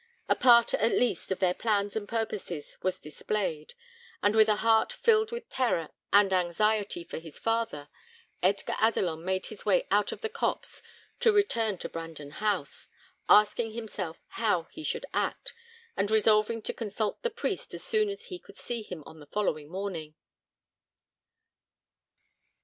A part, at least, of their plans and purposes was displayed; and with a heart filled with terror and anxiety for his father, Edgar Adelon made his way out of the copse, to return to Brandon House, asking himself how he should act, and resolving to consult the priest as soon as he could see him on the following morning.